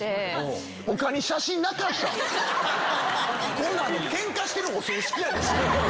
こんなんケンカしてるお葬式や。